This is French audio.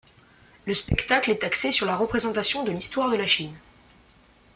Le spectacle est axé sur la représentation de d'histoire de la Chine.